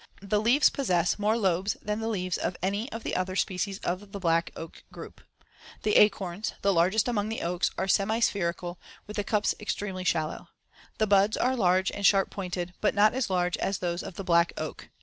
The leaves possess more lobes than the leaves of any of the other species of the black oak group, see Fig. 62. The acorns, the largest among the oaks, are semispherical with the cups extremely shallow. The buds are large and sharp pointed, but not as large as those of the black oak.